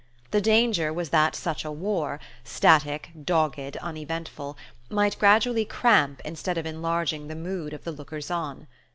The danger was that such a war static, dogged, uneventful might gradually cramp instead of enlarging the mood of the lookers on.